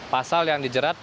pasal yang dijerat